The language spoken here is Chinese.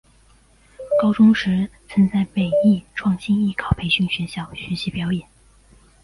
高中时曾在北艺创星艺考培训学校学习表演。